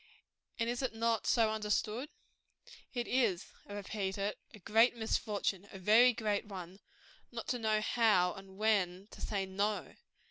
And is it not so understood? It is I repeat it a great misfortune a very great one not to know how and when to say NO.